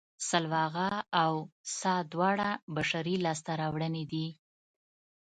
سلواغه او څا دواړه بشري لاسته راوړنې دي